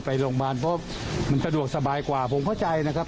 เพราะมันสะดวกสบายกว่าผมเข้าใจนะครับ